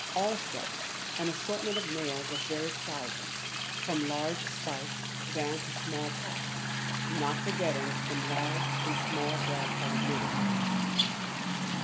Also an assortment of nails of various sizes, from large spikes down to small tacks, not forgetting some large and small brass headed nails.